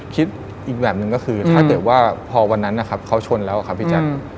คิดอีกแบบหนึ่งก็คือถ้าเกิดว่าพอวันนั้นนะครับเขาชนแล้วครับพี่แจ๊ค